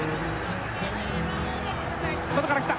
外から来た。